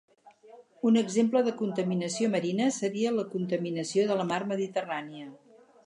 Un exemple de contaminació marina seria la contaminació de la mar Mediterrània.